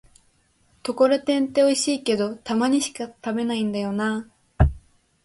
ところてんっておいしいけど、たまにしか食べないんだよなぁ